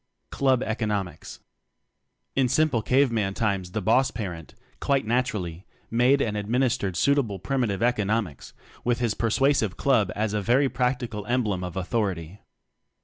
Club Economics. In simple cave man times the boss parent, quite naturally, made and ad mmistered suitable primitive eco nomics with his persuasive club as a very practical emblem of authority.